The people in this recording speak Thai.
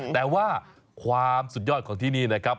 แต่ว่าความสุดยอดของที่นี่นะครับ